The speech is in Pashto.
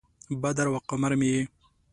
بدر او قمر مې یې